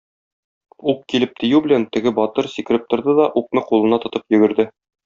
Ук килеп тию белән, теге батыр сикереп торды да укны кулына тотып йөгерде.